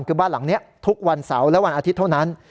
คือบ้านหลังนี้ทุกวันเสาร์และวันอาทิตย์เท่านั้น